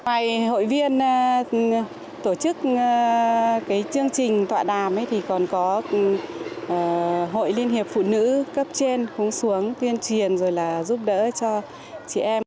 ngoài hội viên tổ chức cái chương trình tọa đàm ấy thì còn có hội liên hiệp phụ nữ cấp trên khống xuống tuyên truyền rồi là giúp đỡ cho trẻ em